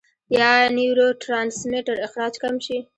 يا نيوروټرانسميټر اخراج کم شي -